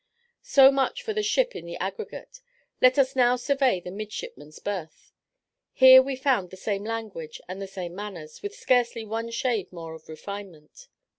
So much for the ship in the aggregate; let us now survey the midshipmen's berth. Here we found the same language and the same manners, with scarcely one shade more of refinement.